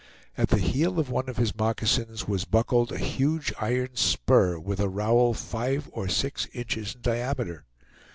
At the heel of one of his moccasins was buckled a huge iron spur, with a rowel five or six inches in diameter.